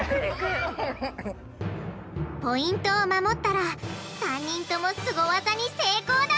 ポイントを守ったら３人ともスゴ技に成功だ！